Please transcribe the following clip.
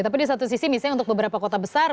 tapi di satu sisi misalnya untuk beberapa kota besar